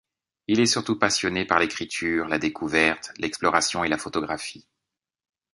Il est surtout passionné par l'écriture, la découverte, l’exploration et la photographie.